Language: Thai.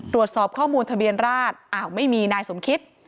ตรวจสอบข้อมูลทะเบียนราชอ้าวไม่มีนายสมคิต